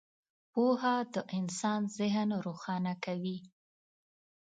• پوهه د انسان ذهن روښانه کوي.